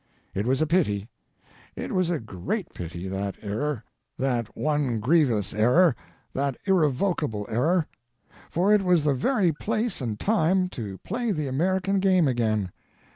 It was a pity; it was a great pity, that error; that one grievous error, that irrevocable error. For it was the very place and time to play the American game again.